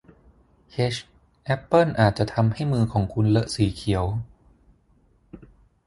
เฮดจ์ แอปเปิ้ลอาจจะทำให้มือของคุณเลอะสีเขียว